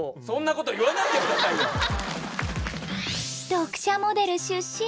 読者モデル出身！